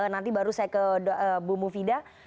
nanti baru saya ke bu mufidah